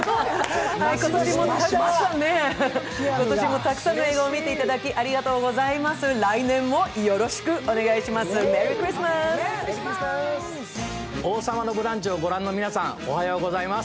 今年もたくさんの映画を見ていただき、ありがとうございます。